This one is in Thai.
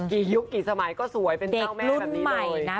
กี่ยุคกี่สมัยก็สวยเป็นเจ้าแม่แบบนี้เลย